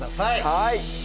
はい！